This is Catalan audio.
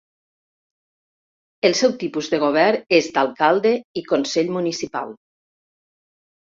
El seu tipus de govern és d'alcalde i consell municipal.